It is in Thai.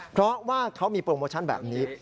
เพราะว่าเขามีโปรโมชั่นแบบนี้